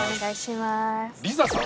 リザさん。